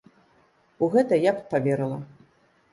У гэта я б паверыла.